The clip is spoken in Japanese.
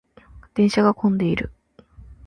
電車が混んでいる。